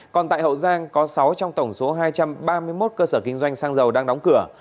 còn tại hậu giang có sáu trong tổng số hai trăm ba mươi một cơ sở kinh doanh xăng dầu đang đóng cửa